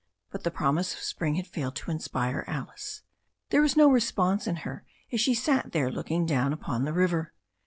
But the promise of spring had failed to inspire Alice. There was no response in her as she sat there look ing down upon the river.